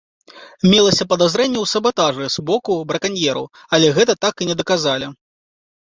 Мелася падазрэнне ў сабатажы з боку браканьераў, але гэта так і не даказалі.